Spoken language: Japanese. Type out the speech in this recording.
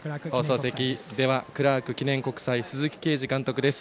放送席、クラーク記念国際佐々木啓司監督です。